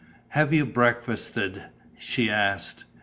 "Have you breakfasted?" she asked.